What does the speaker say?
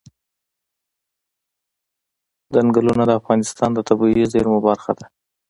چنګلونه د افغانستان د طبیعي زیرمو برخه ده.